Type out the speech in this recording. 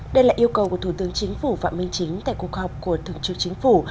đây là yêu cầu của thủ tướng chính phủ phạm minh chính tại cuộc họp của thượng trưởng chính phủ